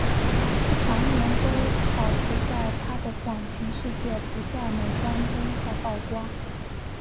她长年来都保持她的感情世界不在镁光灯下曝光。